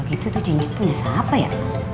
itu tuh cincin punya siapa ya